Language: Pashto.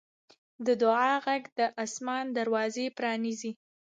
د دعا غږ د اسمان دروازې پرانیزي.